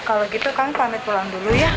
kalau gitu kan pamit pulang dulu ya